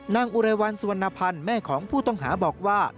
อุเรวัลสุวรรณภัณฑ์แม่ของผู้ต้องหาบอกว่า